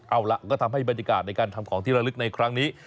เอาล่ะก็ทำให้บรรยากาศในการทำของที่ระลึกในครั้งนี้